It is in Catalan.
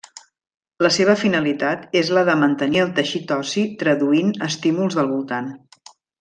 La seva finalitat és la de mantenir el teixit ossi traduint estímuls del voltant.